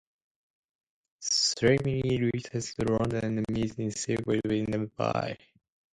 Smiley returns to London and meets in secret with Enderby.